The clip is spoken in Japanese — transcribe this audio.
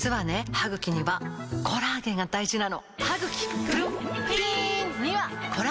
歯ぐきにはコラーゲンが大事なの！